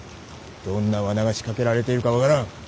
どんな罠が仕掛けられているか分からん。